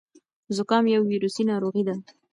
زکام یو ویروسي ناروغي ده.